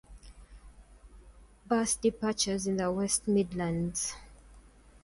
Bus departures in the West Midlands